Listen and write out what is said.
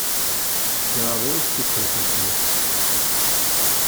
Ja, wo ist die Kokosnuss?